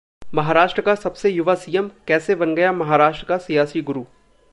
महाराष्ट्र का सबसे युवा सीएम, कैसे बन गया महाराष्ट्र का सियासी 'गुरु'